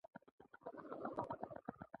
په پایله کې له هغه سره سل میلیونه پاتېږي